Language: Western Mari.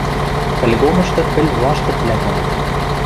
Пӹлгомышты пӹл лаштыквлӓ кайыт.